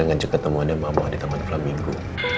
ngajak ketemuannya mamah di tempat flamingo